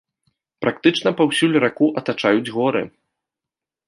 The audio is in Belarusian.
Практычна паўсюль раку атачаюць горы.